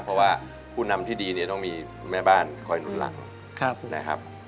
เพราะว่าผู้นำที่ดีเนี่ยต้องมีแม่บ้านคอยหนุนหลังนะครับ